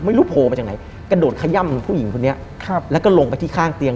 โผล่มาจากไหนกระโดดขย่ำผู้หญิงคนนี้ครับแล้วก็ลงไปที่ข้างเตียง